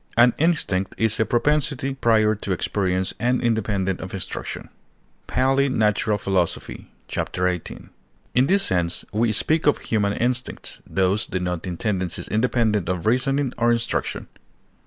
An instinct is a propensity prior to experience and independent of instruction. PALEY Natural Philosophy ch. 18. In this sense we speak of human instincts, thus denoting tendencies independent of reasoning or instruction.